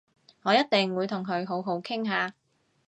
我一定會同佢好好傾下